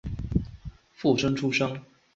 附生出身。